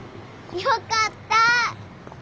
よかった！